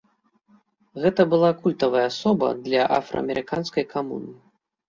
Гэта была культавая асоба для афраамерыканскай камуны.